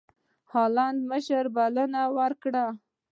هالنډ مشر بلنه ورکړه.